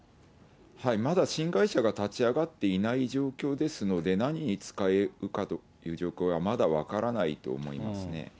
まだ新会社が立ち上がっていない状況ですので、何に使うかという状況がまだ分からないと思いますね。